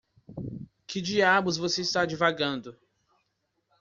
Que diabos você está divagando?